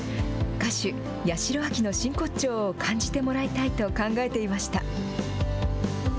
歌手、八代亜紀の真骨頂を感じてもらいたいと考えていました。